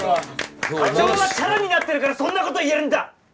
課長はチャラになってるからそんな事言えるんだ！